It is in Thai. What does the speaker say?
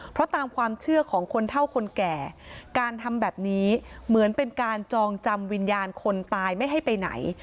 เพราะตามความเชื่อของคนเท่าคนแก่การทำแบบนี้เหมือนเป็นการจองจำวิญญาณคนตายไม่ให้ไปไหน